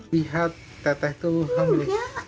lihat teteh itu hamil